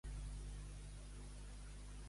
Qui nu no fa, un punt perd.